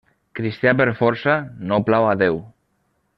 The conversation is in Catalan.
Cristià per força no plau a Déu.